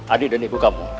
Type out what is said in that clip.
adik dan ibu kamu